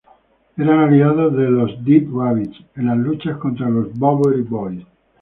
Eran aliados de los Dead Rabbits en las luchas contra los Bowery Boys.